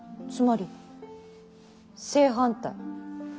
つまり正反対。